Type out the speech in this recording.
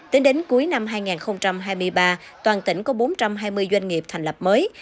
tính đến cuối năm hai nghìn hai mươi ba toàn tỉnh có bốn trăm hai mươi doanh nghiệp thành lập mới